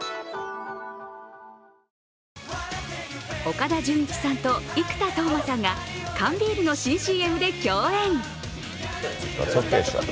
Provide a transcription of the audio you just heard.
岡田准一さんと生田斗真さんが缶ビールの新ＣＭで共演。